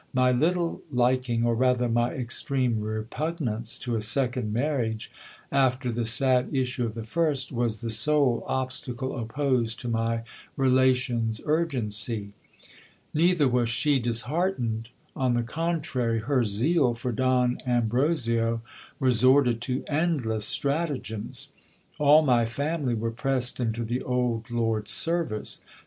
My little liking, or rather my extreme repugnance, to a second marriage, after the sad issue of the first, was the sole obstacle opposed to my relation's urgency. Neither was she disheartened : on the contrary, her zeal for Don Ambrosio resorted to endless stratagems. All my family were pressed into the old lord's service.